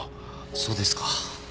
そうですか。